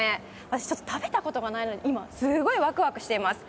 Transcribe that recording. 私ちょっと食べた事がないので今すごいワクワクしています。